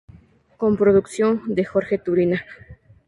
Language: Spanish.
Con producción de Jorge Turina.